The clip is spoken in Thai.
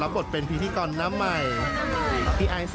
อย่าลองติดตามพี่ไอซ์ขอ